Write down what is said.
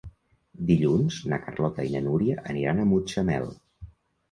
Dilluns na Carlota i na Núria aniran a Mutxamel.